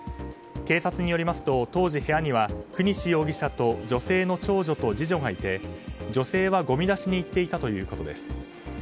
警察によると当時、部屋には國司容疑者と女性の長女と次女がいて女性は、ごみ出しに行っていたということです。